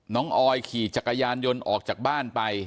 ออยขี่จักรยานยนต์ออกจากบ้านไป